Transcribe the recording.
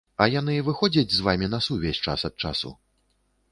А яны выходзяць з вамі на сувязь час ад часу?